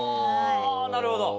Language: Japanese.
なるほど。